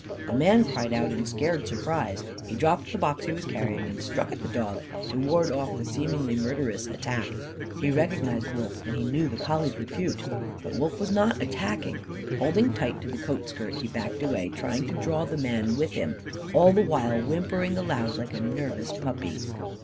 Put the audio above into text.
The man cried out in scared surprise. He dropped the box he was carrying and struck at the dog, to ward off the seemingly murderous attack. He recognised Wolf, and he knew the collie's repute. But Wolf was not attacking. Holding tight to the coat skirt, he backed away, trying to draw the man with him, and all the while whimpering aloud like a nervous puppy.